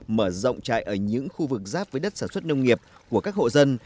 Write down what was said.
mở rộng trại ở những khu vực giáp với đất sản xuất nông nghiệp của các hộ dân